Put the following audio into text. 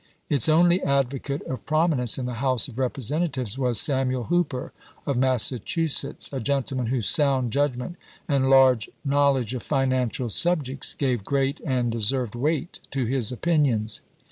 Its only advocate of prominence in the House of Repre sentatives was Samuel Hooper of Massachusetts, a gentleman whose sound judgment and large knowledge of financial subjects gave great and de served weight to his opinions.